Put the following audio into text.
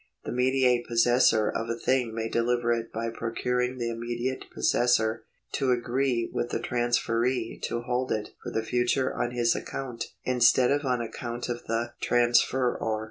The mediate pos sessor of a thing may deliver it by procuring the immediate possessor to agree with the transferee to hold it for the future on his account, instead of on account of the transferor.